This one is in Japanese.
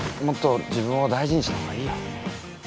もっと自分を大事にした方がいいよ。